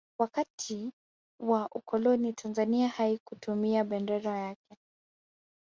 wakati wa ukoloni tanzania haikutumia bendera yake